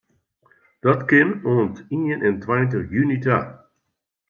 Dat kin oant ien en tweintich juny ta.